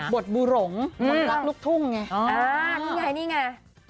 บทบูหลงคนรักลูกทุ่งไง